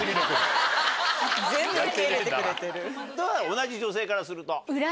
同じ女性からすると。